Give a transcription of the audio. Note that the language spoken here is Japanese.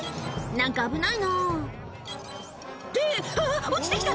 何か危ないなってあぁ落ちてきた！